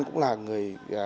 cũng là người